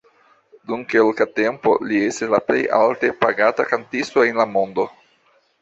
Dum kelka tempo li estis la plej alte pagata kantisto en la mondo.